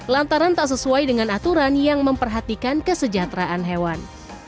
lantaran tak sesuai dengan aturan yang memperhatikan kesejahteraan hewan